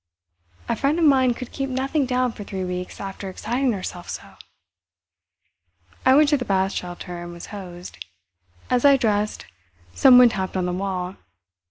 A friend of mine could keep nothing down for three weeks after exciting herself so." I went to the bath shelter and was hosed. As I dressed, someone tapped on the wall.